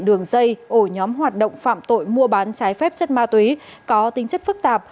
đường dây ổ nhóm hoạt động phạm tội mua bán trái phép chất ma túy có tính chất phức tạp